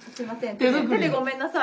手でごめんなさい。